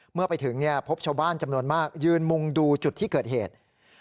เมื่อไปถึงพบชาวบ้านจำนวนมากยืนมุงดูจุดที่เกิดเหตุ